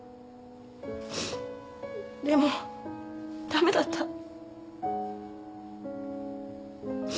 でも駄目だった。